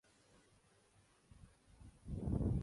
جو کسی بھی بولی وڈ فلم کی جانب سے سب سے بڑی ریلیز ہے